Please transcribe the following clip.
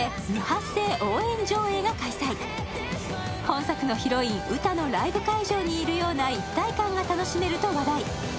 本作のヒロイン・ウタのライブ会場にいるような一体感が楽しめると話題。